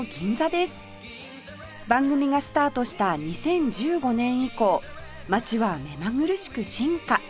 番組がスタートした２０１５年以降街はめまぐるしく進化